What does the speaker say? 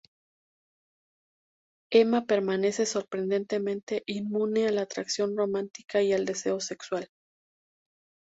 Emma permanece sorprendentemente inmune a la atracción romántica y el deseo sexual.